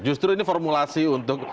justru ini formulasi untuk